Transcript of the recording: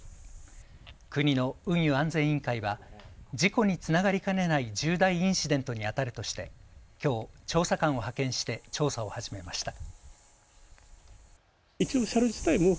国の運輸安全委員会は事故につながりかねない重大インシデントにあたるとしてきょう調査官を派遣して調査を始めました。